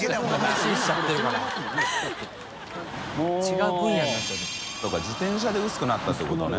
修Δ自転車で薄くなったっていうことね。